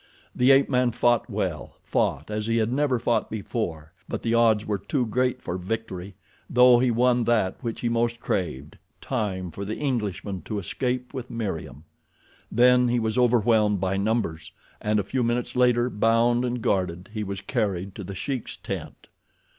The ape man fought well—fought as he had never fought before; but the odds were too great for victory, though he won that which he most craved—time for the Englishman to escape with Meriem. Then he was overwhelmed by numbers, and a few minutes later, bound and guarded, he was carried to The Sheik's tent.